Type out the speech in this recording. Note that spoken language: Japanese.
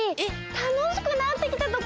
たのしくなってきたとこじゃん！